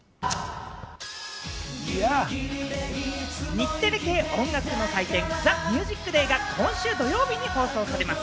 日テレ系音楽の祭典『ＴＨＥＭＵＳＩＣＤＡＹ』が今週土曜日に放送されます。